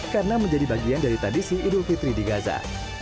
karena menjadi bagian dari tradisi idul fitri di gaza